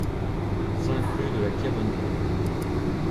cinq rue de la Queronnière